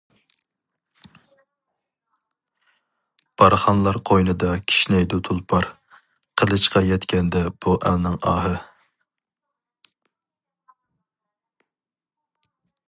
بارخانلار قوينىدا كىشنەيدۇ تۇلپار، قىلىچقا يەتكەندە بۇ ئەلنىڭ ئاھى.